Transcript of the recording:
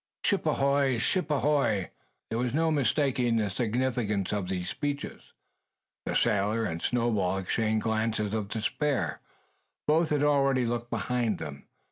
Ship ahoy! ship ahoy!" There was no mistaking the signification of these speeches. The sailor and Snowball exchanged glances of despair. Both had already looked behind them.